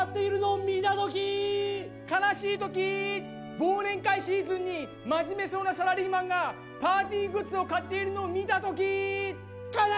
忘年会シーズンに真面目そうなサラリーマンがパーティーグッズを買ってるのを見たとき。